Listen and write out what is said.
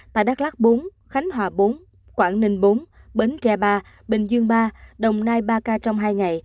tại đắk lắc bốn khánh hòa bốn quảng ninh bốn bến tre ba bình dương ba đồng nai ba ca